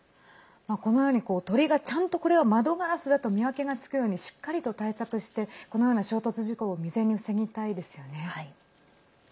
このように鳥がちゃんとこれは窓ガラスだと見分けがつくようにしっかりと対策してこのような衝突事故を未然に防ぎたいですよね。